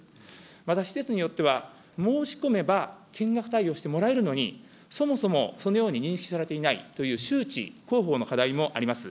また、施設によっては、申し込めば見学対応してもらえるのに、そもそもそのように認識されていないという、周知、広報の課題もあります。